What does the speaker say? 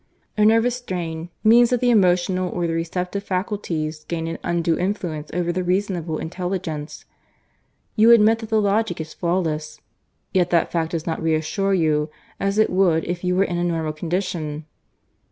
A nervous strain means that the emotional or the receptive faculties gain an undue influence over the reasonable intelligence. You admit that the logic is flawless, yet that fact does not reassure you, as it would if you were in a normal condition."